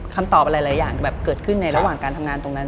คำตอบหลายอย่างแบบเกิดขึ้นในระหว่างการทำงานตรงนั้น